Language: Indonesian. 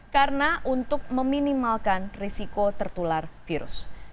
karena untuk meminimalkan risiko tertular virus